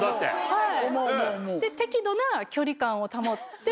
はい。